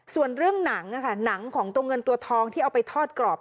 ส่วนเรื่องหนังนะคะหนังของตัวเงินตัวทองที่เอาไปทอดกรอบ